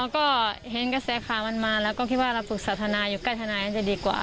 ก็เห็นกระแสข่าวมันมาแล้วก็คิดว่าเราปรึกษาทนายอยู่ใกล้ทนายก็จะดีกว่า